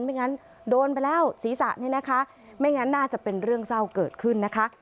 ไม่งั้นโดนไปแล้วศีรษะนี่นะคะไม่งั้นน่าจะเป็นเรื่องเศร้าเกิดขึ้นนะคะ